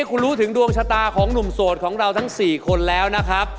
คุณรู้ถึงดวงชะตาของหนุ่มโสดของเราทั้ง๔คนแล้วนะครับ